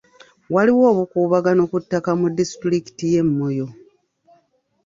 Waliwo obukuubagano ku ttaka mu disitulikiti y'e Moyo.